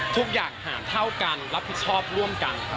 ทุกอย่างหารเท่ากันรับผิดชอบร่วมกันครับ